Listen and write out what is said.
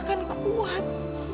saya kan kuat